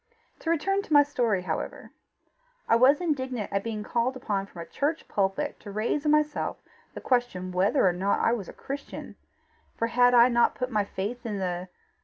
To return to my story, however: I was indignant at being called upon from a church pulpit to raise in myself the question whether or not I was a Christian; for had I not put my faith in the